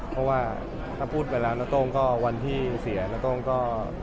เพราะถ้าพูดไปแล้วน้าโต้งก็ยิ่งวันที่เสียน้าโต้งก็